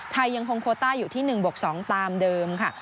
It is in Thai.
ไทยยังคงโคตาร์อยู่ที่๑๒ตามเดิมค่ะ